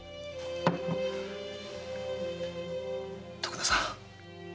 徳田さん。